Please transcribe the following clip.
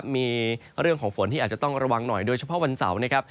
มีเรื่องของฝนที่อาจจะต้องระวังหน่อยโดยเฉพาะวันเสาร์นะครับ